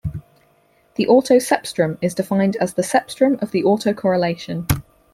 The autocepstrum is defined as the cepstrum of the autocorrelation.